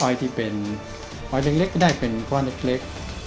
ที่เป็นหอยเล็กก็ได้เป็นก้อนเล็ก